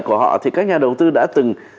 của họ thì các nhà đầu tư đã từng